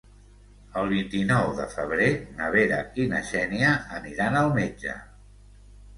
El vint-i-nou de febrer na Vera i na Xènia aniran al metge.